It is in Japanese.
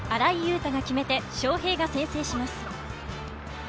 汰が決めて昌平が先制します。